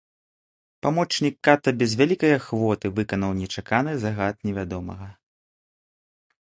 Памочнік ката без вялікай ахвоты выканаў нечаканы загад невядомага.